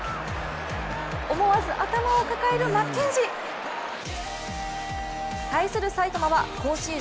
思わず頭を抱えるマッケンジー。